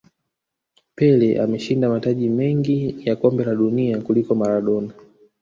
pele ameshinda mataji mengi ya kombe la dunia kuliko maradona